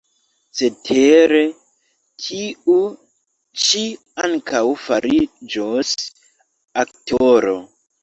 Cetere, tiu ĉi ankaŭ fariĝos aktoro.